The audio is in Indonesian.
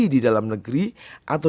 pemerintah yang mencari penyelenggaraan